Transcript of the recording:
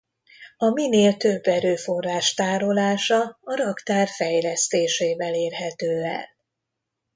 A minél több erőforrás tárolása a raktár fejlesztésével érhető el.